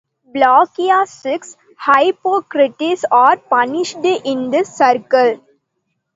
Bolgia Six: Hypocrites are punished in this circle.